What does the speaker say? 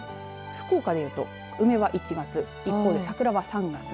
福岡でいうと、梅は１月桜は３月。